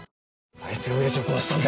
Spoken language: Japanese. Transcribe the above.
あいつがおやじを殺したんだ。